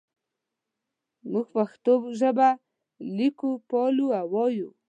موږ پښتو ژبه لیکو پالو او وایو.